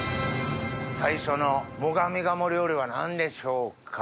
最初の最上鴨料理は何でしょうか？